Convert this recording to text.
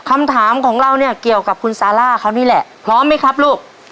คำถามของเราเนี่ยเกี่ยวกับคุณซาร่าเขานี่แหละพร้อมไหมครับลูก